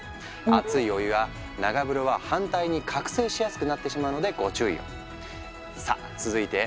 熱いお湯や長風呂は反対に覚醒しやすくなってしまうのでご注意を。